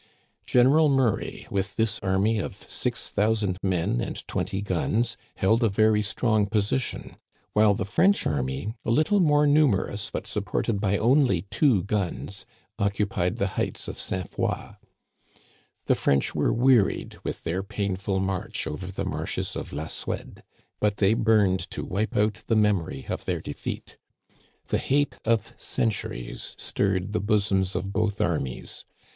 General Murray, with this army of six thousand men and twenty guns, held a very strong position, while the French army, a little more numerous, but supported Digitized by VjOOQIC THE PLAINS OF ABRAHAM. 20I by only two guns, occupied the heights of St. Foy. The French were wearied with their painful march over the marshes of ]l.a Suède, but they burned to wipe out the memory of their defeat. The hate of centuries stirred the bosoms of both armies.